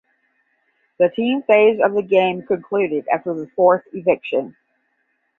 The team phase of the game concluded after the fourth eviction.